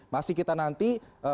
masih kita nanti